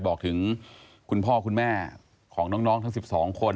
บอกถึงคุณพ่อคุณแม่ของน้องทั้ง๑๒คน